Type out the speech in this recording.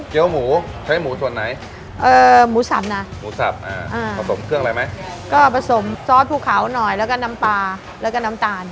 หมูใช้หมูส่วนไหนเอ่อหมูสับนะหมูสับอ่าผสมเครื่องอะไรไหมก็ผสมซอสภูเขาหน่อยแล้วก็น้ำปลาแล้วก็น้ำตาล